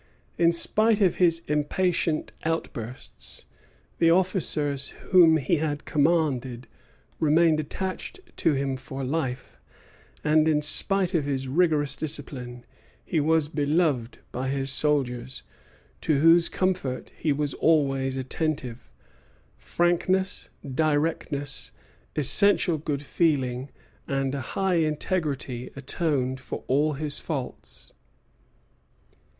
In spite of his impatient outbursts, the officers whom he had commanded remained attached to him for life; and, in spite of his rigorous discipline, he was beloved by his soldiers, to whose comfort he was always attentive. Frankness, directness, essential good feeling, and a high integrity atoned for all his faults.